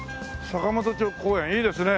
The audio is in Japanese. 坂本町公園いいですね。